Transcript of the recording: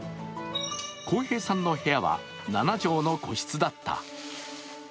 幸平さんの部屋は７畳の個室だった。